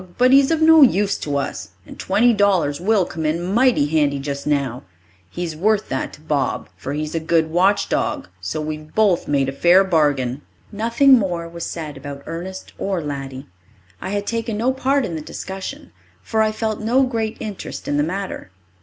But he is of no use to us, and twenty dollars will come in mighty handy just now. He's worth that to Bob, for he is a good watch dog, so we've both made a fair bargain." Nothing more was said about Ernest or Laddie. I had taken no part in the discussion, for I felt no great interest in the matter.